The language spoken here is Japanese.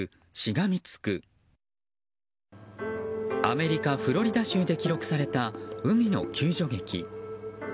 アメリカ・フロリダ州で記録された海の救助劇。